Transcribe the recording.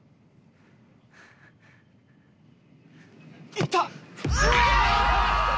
いった。